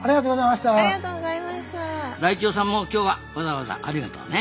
ライチョウさんも今日はわざわざありがとうね。